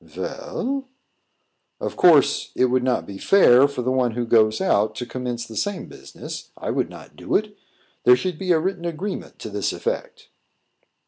"Vell?" "Of course, it would not be fair for the one who goes out to commence the same business. I would not do it. There should be a written agreement to this effect."